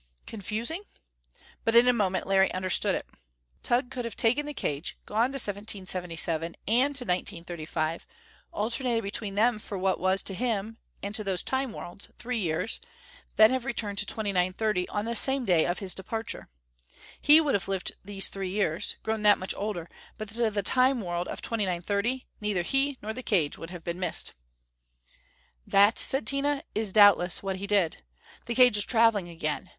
Confusing? But in a moment Larry understood it. Tugh could have taken the cage, gone to 1777 and to 1935, alternated between them for what was to him, and to those Time worlds, three years then have returned to 2930 on the same day of his departure. He would have lived these three years; grown that much older; but to the Time world of 2930 neither he nor the cage would have been missed. "That," said Tina, "is what doubtless he did. The cage is traveling again.